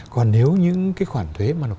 còn nếu những khoản thuế mà nộp